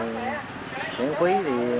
nếu không khí